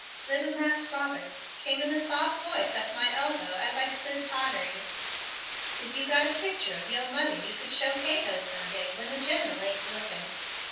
"Little Mas' Robert," came in a soft voice at my elbow as I stood tottering, "is you got a picture of yo' mudder you could show Cato some day when the General ain't lookin'.